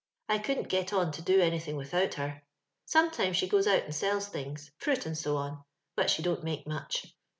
I couldn't get on to do anything without her. Sometimes she goes out and sells tilings — fruit, and so on— > but she don't make much.